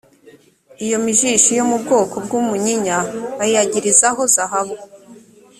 iyo mijishi yo mu bwoko bw’umunyinya ayiyagirizaho zahabu